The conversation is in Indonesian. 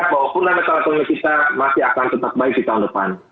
keuntungan dan kesalahan pemilik kita masih akan tetap baik di tahun depan